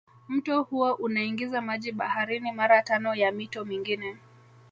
Mto huo unaingiza maji baharini mara tano ya mito mingine